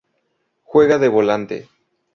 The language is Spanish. Juega de volante.